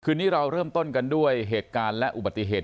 นี้เราเริ่มต้นกันด้วยเหตุการณ์และอุบัติเหตุ